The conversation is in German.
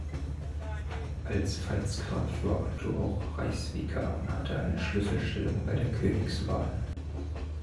Als Pfalzgraf war Otto auch Reichsvikar und hatte eine Schlüsselstellung bei der Königswahl.